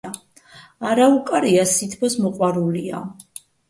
არაუკარია სითბოს მოყვარულია.